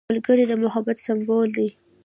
ملګری د محبت سمبول دی